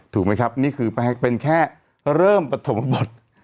ถูกไหมครับนี่คือแม้เป็นแค่เริ่มประสงค์บท